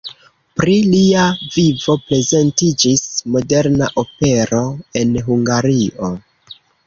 Pri lia vivo prezentiĝis moderna opero en Hungario.